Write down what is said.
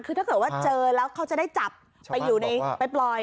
คือถ้าเกิดว่าเจอแล้วเขาจะได้จับไปปล่อย